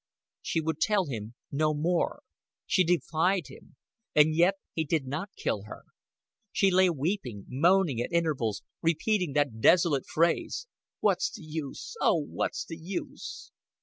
She would tell him no more; she defied him; and yet he did not kill her. She lay weeping, moaning, at intervals, repeating that desolate phrase, "What's the use? Oh, what's the use?"